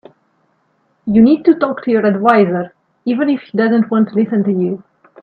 You need to talk to your adviser, even if she doesn't want to listen to you.